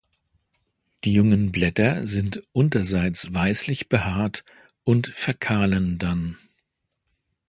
Die jungen Blätter sind unterseits weißlich behaart und verkahlen dann.